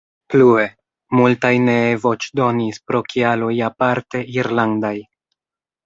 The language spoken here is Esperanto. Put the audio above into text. Plue, multaj nee voĉdonis pro kialoj aparte irlandaj.